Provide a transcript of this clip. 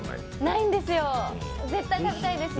ないんですよ絶対食べたいですね。